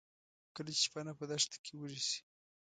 کله چې شپانه په دښته کې وږي شي.